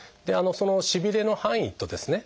そのしびれの範囲とですね